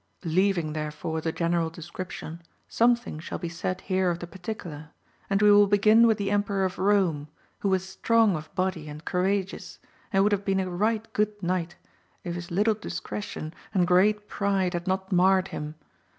Leaving, therefore, the general description, something shall be said here of the particular ; and we will begin with the Emperor of Eome who was strong of body and courageous, and would have been a right good knight, if his little discretion and great pride had not marred him.